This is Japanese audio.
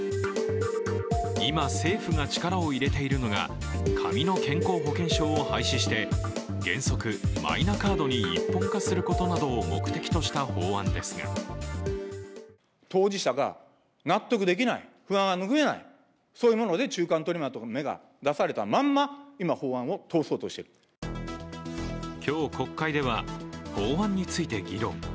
今、政府が力を入れているのが紙の健康保険証を廃止して原則マイナカードに一本化することなどを目的とした法案ですが今日国会では法案について議論。